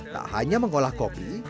tak hanya mengolah kopi